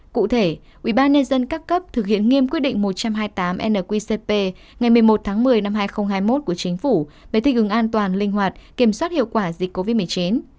cụ thể ubnd các cấp thực hiện nghiêm quyết định một trăm hai mươi tám nqcp ngày một mươi một tháng một mươi năm hai nghìn hai mươi một của chính phủ về thích ứng an toàn linh hoạt kiểm soát hiệu quả dịch covid một mươi chín